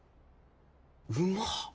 うまっ。